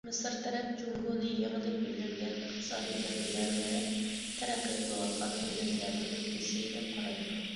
مىسىر تەرەپ جۇڭگونى يېڭىدىن گۈللەنگەن ئىقتىسادىي گەۋدىلەر ۋە تەرەققىي قىلىۋاتقان دۆلەتلەرنىڭ ئۈلگىسى دەپ قارايدۇ.